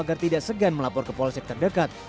agar tidak segan melapor ke polsek terdekat